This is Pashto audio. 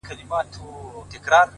يو شاعر لکه قلم درپسې ژاړي!